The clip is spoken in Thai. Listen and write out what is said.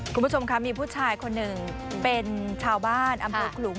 คุณผู้ชมค่ะมีผู้ชายคนหนึ่งเป็นชาวบ้านอำเภอขลุง